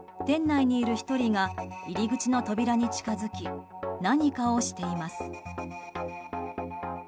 店内にいる１人が入り口の扉に近づき何かをしています。